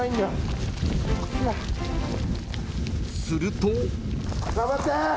［すると］